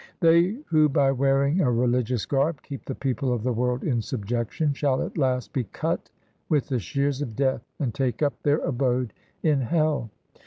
They who by wearing a religious garb keep the people of the world in subjection, Shall at last be cut with the shears of Death and take up their abode in hell.